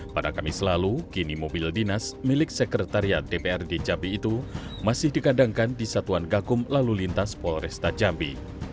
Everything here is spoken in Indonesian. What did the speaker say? pada kamis lalu kini mobil dinas milik sekretariat dprd jambi itu masih dikadangkan di satuan gakum lalu lintas polresta jambi